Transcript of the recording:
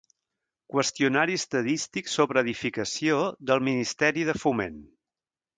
Qüestionari estadístic sobre edificació del Ministeri de Foment.